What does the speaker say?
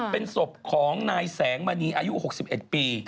เป็นศพของนายแสงมณีอายุ๖๑ปี